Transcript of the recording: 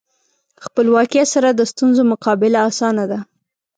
خپلواکۍ سره د ستونزو مقابله اسانه ده.